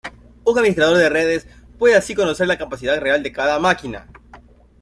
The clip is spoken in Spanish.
Un administrador de redes puede así conocer la capacidad real de cada máquina.